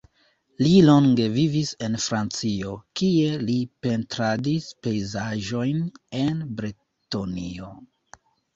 Li longe vivis en Francio, kie li pentradis pejzaĝojn en Bretonio.